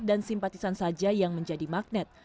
dan simpatisan saja yang menjadi magnet